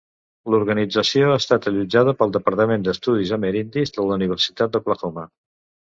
L'organització ha estat allotjada pel departament d'estudis amerindis de la Universitat d'Oklahoma.